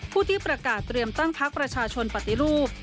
ผู้ที่ประกาศเตรียมตั้งพักประชาชนปฏิรูป